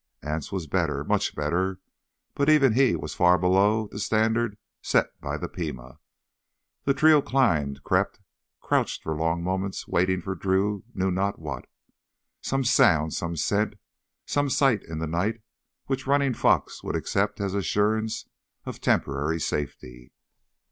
Anse was better, much better, but even he was far below the standard set by the Pima. The trio climbed, crept, crouched for long moments waiting for Drew knew not what—some sound, some scent, some sight in the night which Running Fox would accept as assurance of temporary safety.